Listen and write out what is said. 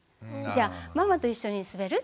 「じゃあママと一緒に滑る？」。